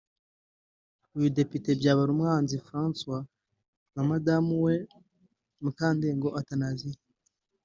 uyu Depite Byabarumwanzi François na madamu we Mukandengo Athanasie